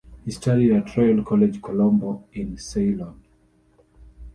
He studied at Royal College Colombo in Ceylon.